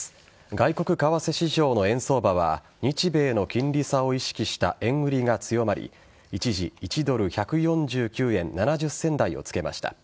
外国為替市場の円相場は日米の金利差を意識した円売りが強まり一時１ドル１４９円７０銭台をつけました。